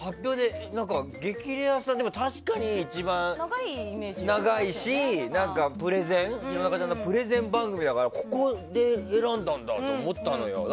「激レアさん」は確かに一番長いし弘中ちゃんプレゼン番組だからここで選んだんだって思ったのよ。